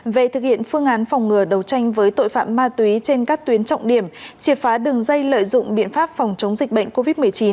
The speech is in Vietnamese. về thực hiện phương án phòng ngừa đấu tranh với tội phạm ma túy trên các tuyến trọng điểm triệt phá đường dây lợi dụng biện pháp phòng chống dịch bệnh covid một mươi chín